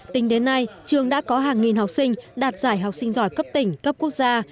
tính đến nay trường đã có hàng nghìn học sinh đạt giải học sinh giỏi cấp tỉnh cấp quốc gia